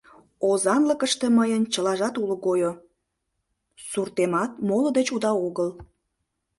Озанлыкыште мыйын чылажат уло гойо, суртемат моло деч уда огыл.